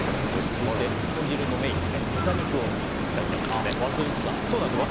続いて、豚汁のメインの豚肉を使いたいと思います。